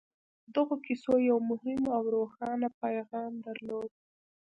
دغو کيسو يو مهم او روښانه پيغام درلود.